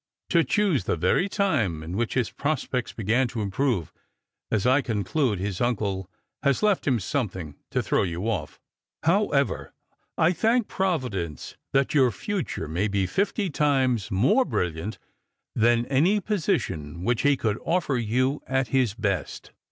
To choose the very time in which his prospects be gan to improve — as I conclude this uncle has ^ft, him something — to throw you off ! However, 1 thank Pro'7iuence that your future may be fifty times more briUiant than any position which he could offer you at his best